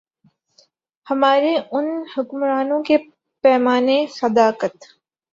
ہمارے ان حکمرانوں کے پیمانۂ صداقت۔